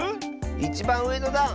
いちばんうえのだん！